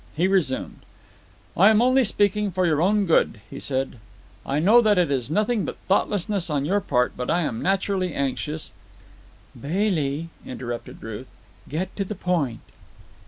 He resumed: "I am only speaking for your own good," he said. "I know that it is nothing but thoughtlessness on your part, but I am naturally anxious——" "Bailey," interrupted Ruth, "get to the point."